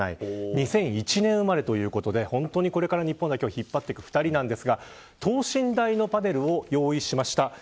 ２００１年生まれということで本当にこれから日本代表を引っ張っていく２人なんですが等身大のパネルを用意しました。